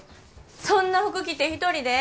そんな服着て一人で？